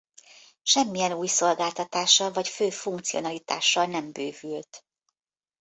Semmilyen új szolgáltatással vagy fő funkcionalitással nem bővült.